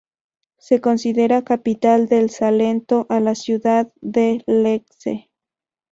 Se considera capital del Salento a la ciudad de Lecce.